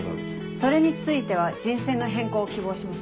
それについては人選の変更を希望します。